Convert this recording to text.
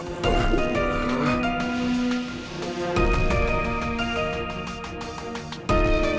mama pak tan